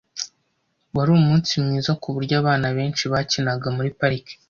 Wari umunsi mwiza kuburyo abana benshi bakinaga muri parike.